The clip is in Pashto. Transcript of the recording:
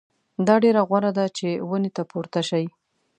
دا ډېره غوره ده چې ونې ته پورته شئ.